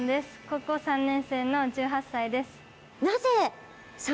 高校３年生の１８歳です。